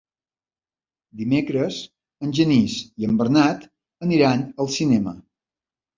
Dimecres en Genís i en Bernat aniran al cinema.